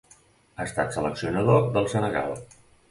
Ha estat seleccionador del Senegal.